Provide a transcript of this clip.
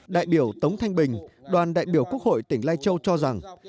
đại biểu tống thanh bình đoàn đại biểu quốc hội tỉnh lai châu cho rằng